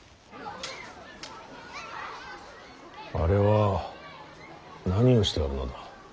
あれは何をしておるのだ。